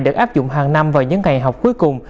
phát dụng hàng năm vào những ngày học cuối cùng